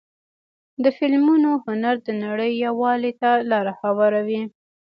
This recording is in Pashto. د فلمونو هنر د نړۍ یووالي ته لاره هواروي.